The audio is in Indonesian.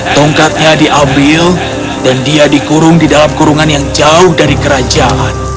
tongkatnya diambil dan dia dikurung di dalam kurungan yang jauh dari kerajaan